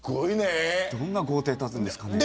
どんな豪邸が建つんですかね。